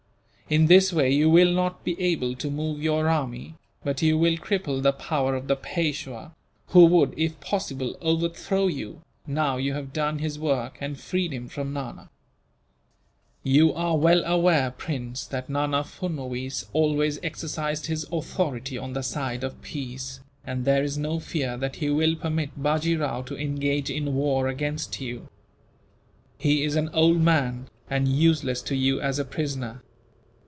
In this way you will not only be able to move your army, but you will cripple the power of the Peishwa who would, if possible, overthrow you, now you have done his work and freed him from Nana. "You are well aware, Prince, that Nana Furnuwees always exercised his authority on the side of peace, and there is no fear that he will permit Bajee Rao to engage in war against you. He is an old man, and useless to you as a prisoner.